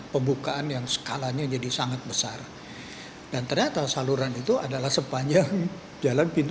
pembukaan yang skalanya jadi sangat besar dan ternyata saluran itu adalah sepanjang jalan pintu